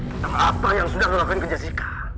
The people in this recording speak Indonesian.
tentang apa yang sudah lu lakuin ke jessica